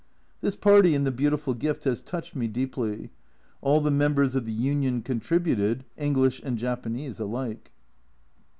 This party and the beautiful gift has touched me deeply ; all the members of the Union contributed, English and Japanese alike.